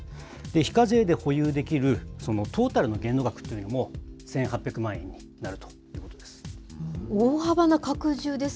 非課税で保有できるトータルの限度額というのも、１８００万円になるということです。